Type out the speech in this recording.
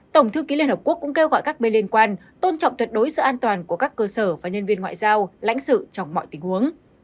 tổng thư ký liên hợp quốc cũng kêu gọi các bên liên quan tôn trọng tuyệt đối sự an toàn của các cơ sở và nhân viên ngoại giao lãnh sự trong mọi tình huống